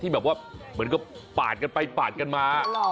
แบบว่าเหมือนกับปาดกันไปปาดกันมา